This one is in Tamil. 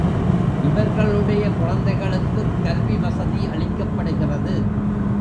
இவர்களுடைய குழந்தைகளுக்குக் கல்வி வசதி அளிக்கப்படுகிறது.